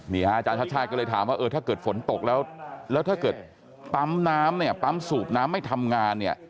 อาจารย์ชาติชาติก็เลยถามว่าเออถ้าเกิดฝนตกแล้วแล้วถ้าเกิดปั๊มน้ำเนี่ยปั๊มสูบน้ำไม่ทำงานเนี่ย